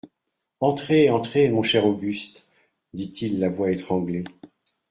Entrez, entrez, mon cher Auguste, dit-il la voix étranglée.